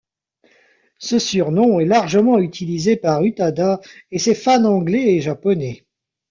Ce surnom est largement utilisé par Utada et ses fans anglais et japonais.